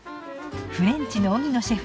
フレンチの荻野シェフ